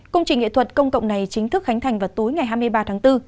công trình nghệ thuật công cộng này chính thức khánh thành vào tối ngày hai mươi ba tháng bốn